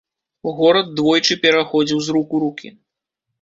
Горад двойчы пераходзіў з рук у рукі.